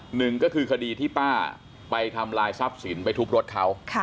หนึ่งก็คือคดีที่ป้าไปทำลายทรัพย์สินไปทุบรถเขา